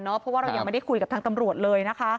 เพราะว่าเรายังไม่ได้คุยกับทางตำรวจเลยนะคะ